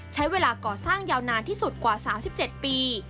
ใช้เวลาก่อสร้างยาวนานที่สุดกว่า๓๗ปี